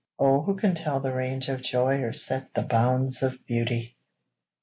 Oh who can tell the range of joy Or set the bounds of beauty?